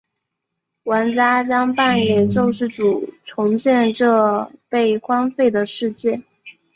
玩家将扮演救世主重建这被荒废的世界。